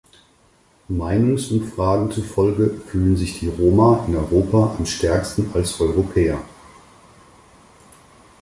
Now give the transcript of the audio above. Meinungsumfragen zufolge fühlen sich die Roma in Europa am stärksten als Europäer.